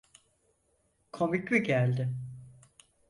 Komik mi geldi?